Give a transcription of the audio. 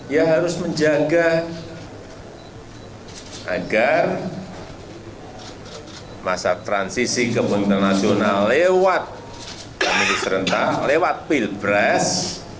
yang harus menjaga agar masa transisi ke pemimpinan nasional lewat pemimpin serentak lewat pilpres